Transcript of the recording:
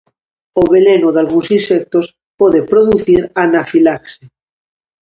O veleno dalgúns insectos pode producir anafilaxe.